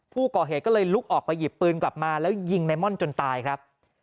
ผู้ก่อเหตุก็เลยลุกออกไปหยิบปืนกลับมาแล้วยิงในม่อนจนตายครับ